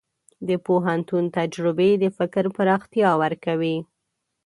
د پوهنتون تجربې د فکر پراختیا ورکوي.